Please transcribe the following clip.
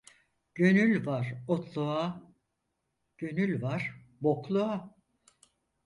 Gönül var otluğa, gönül var bokluğa.